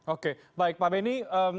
oke baik pak benny